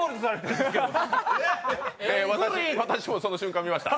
私もその瞬間、見ました。